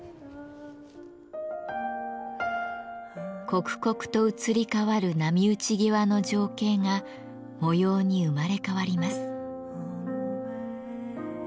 刻々と移り変わる波打ち際の情景が模様に生まれ変わります。